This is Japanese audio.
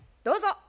どうぞ。